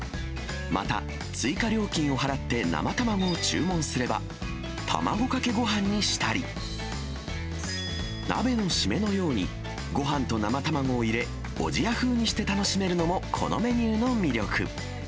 また、追加料金を払って生卵を注文すれば、卵かけごはんにしたり、鍋の締めのように、ごはんと生卵を入れ、おじや風にして楽しめるのもこのメニューの魅力。